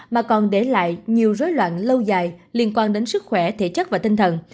mà còn để lại nhiều rối loạn lâu dài liên quan đến sức khỏe thể chất và tinh thần